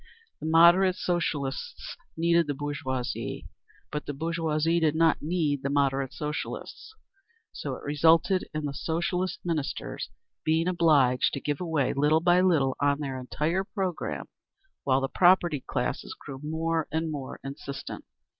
The "moderate" Socialists needed the bourgeoisie. But the bourgeoisie did not need the "moderate" Socialists. So it resulted in the Socialist Ministers being obliged to give way, little by little, on their entire program, while the propertied classes grew more and more insistent.